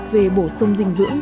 về bổ sung dinh dưỡng